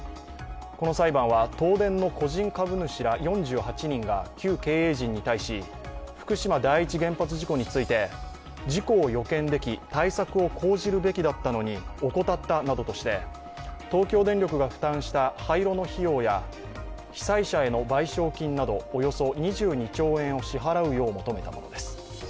この裁判は東電の個人株主ら４８人が旧経営陣に対し福島第一原発事故について事故を予見でき、対策を講じるべきだったのに怠ったなどとして東京電力が負担した廃炉の費用や被災者への賠償金などおよそ２２兆円を支払うよう求めたものです。